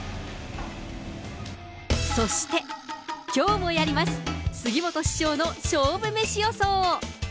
そして、きょうもやります、杉本師匠の勝負メシ予想。